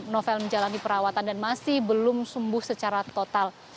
novel menjalani perawatan dan masih belum sembuh secara total